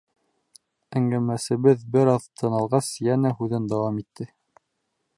Әңгәмәсебеҙ, бер аҙ тын алғас, йәнә һүҙен дауам итте.